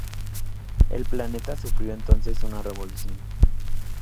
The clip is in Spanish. El planeta sufrió entonces una revolución.